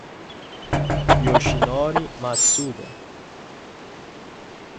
Yoshinori Matsuda